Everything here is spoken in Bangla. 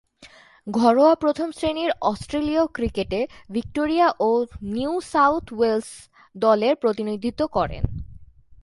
ঘরোয়া প্রথম-শ্রেণীর অস্ট্রেলীয় ক্রিকেটে ভিক্টোরিয়া ও নিউ সাউথ ওয়েলস দলের প্রতিনিধিত্ব করেন।